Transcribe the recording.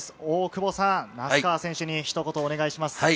大久保さん、名須川選手にひと言お願いします。